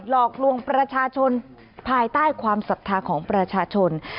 หลอกลวงประชาชนภายใต้ความศรัทธาของประชาชน